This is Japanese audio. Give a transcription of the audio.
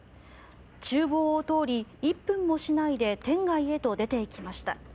厨房を通り、１分もしないで店外へと出ていきました。